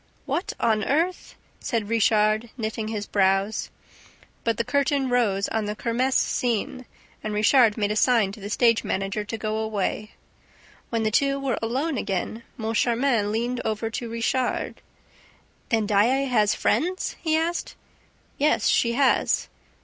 "What on earth ...?" said Richard, knitting his brows. But the curtain rose on the kermess scene and Richard made a sign to the stage manager to go away. When the two were alone again, Moncharmin leaned over to Richard: "Then Daae has friends?" he asked. "Yes, she has."